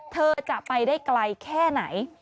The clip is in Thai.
เธอจะไปได้ไกลแค่ไหน